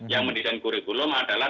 yang mendesain kurikulum adalah